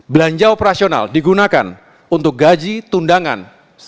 belanja operasional digunakan untuk gaji tundangan